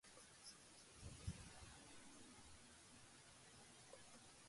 Although he appeared as "Samoset" in some accounts, in others he appeared as "Somerset".